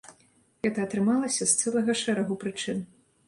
Гэта атрымалася з цэлага шэрагу прычын.